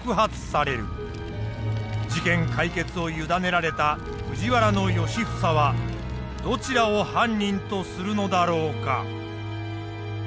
事件解決を委ねられた藤原良房はどちらを犯人とするのだろうか？